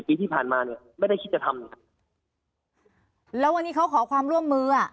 ปีที่ผ่านมาเนี่ยไม่ได้คิดจะทำแล้ววันนี้เขาขอความร่วมมืออ่ะ